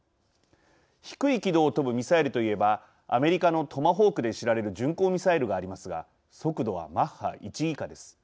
低い軌道を飛ぶミサイルと言えばアメリカのトマホークで知られる巡航ミサイルがありますが速度はマッハ１以下です。